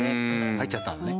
入っちゃったんだね。